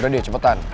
udah deh cepetan